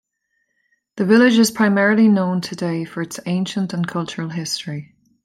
The village is primarily known today for its ancient and cultural history.